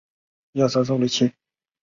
尚普鲁吉耶人口变化图示